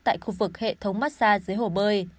tại khu vực hệ thống mát xa dưới hồ bơi